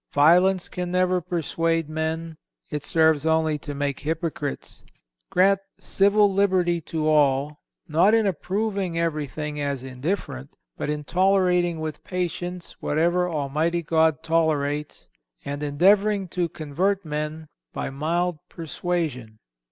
Violence can never persuade men; it serves only to make hypocrites. Grant civil liberty to all, not in approving everything as indifferent, but in tolerating with patience whatever Almighty God tolerates, and endeavoring to convert men by mild persuasion."